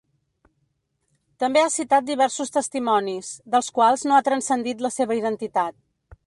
També ha citat diversos testimonis, dels quals no ha transcendit la seva identitat.